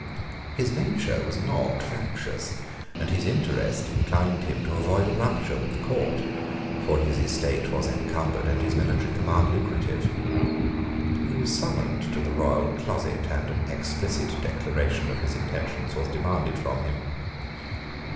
His nature was not factious; and his interest inclined him to avoid a rupture with the court; for his estate was encumbered, and his military command lucrative. He was summoned to the royal closet; and an explicit declaration of his intentions was demanded from him.